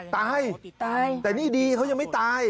ตายตายแต่นี่ดีเขายังไม่ตาย